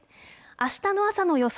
あしたの朝の予想